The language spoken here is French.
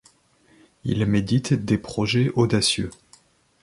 Il médite des projets audacieux.